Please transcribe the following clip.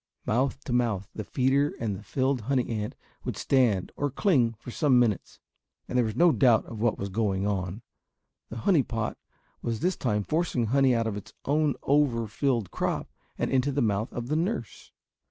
Mouth to mouth the feeder and the filled honey ant would stand or cling for some minutes. And there was no doubt of what was going on. The honey pot was this time forcing honey out of its own over filled crop and into the mouth of the nurse.